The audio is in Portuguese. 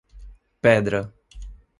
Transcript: Pedra